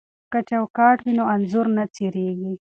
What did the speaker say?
که چوکاټ وي نو انځور نه څیریږي.